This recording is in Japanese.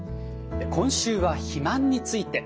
今週は肥満について。